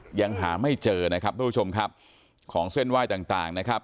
ยังหาไม่เจอนะครับทุกผู้ชมครับของเส้นไหว้ต่างต่างนะครับ